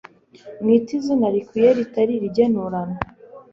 mwite izina rikwiye ritari irigenurano